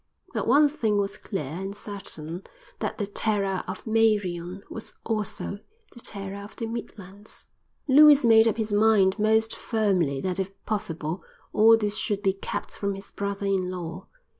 But one thing was clear and certain: that the terror of Meirion was also the terror of the Midlands. Lewis made up his mind most firmly that if possible all this should be kept from his brother in law.